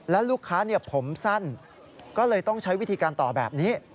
แล้วลูกค้าผมสั้นก็เลยต้องใช้วิธีการต่อแบบนี้